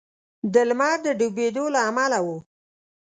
د لمر د ډبېدو له امله و.